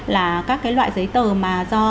là các cái loại giấy tờ mà do